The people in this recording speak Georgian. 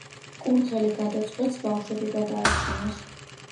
კურდღელი გადაწყვეტს ბავშვები გადაარჩინოს.